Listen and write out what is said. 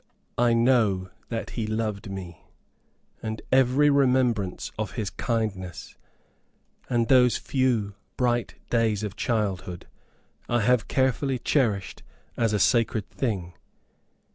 I know that he loved me, and every remembrance of his kindness, and those few bright days of childhood, I have carefully cherished as a sacred thing.